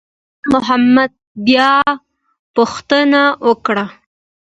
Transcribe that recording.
شېرمحمد بیا پوښتنه وکړه.